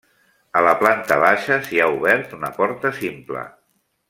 A la planta baixa s’hi ha obert una porta simple.